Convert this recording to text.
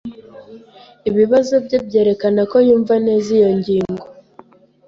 Ibibazo bye byerekana ko yumva neza iyo ngingo.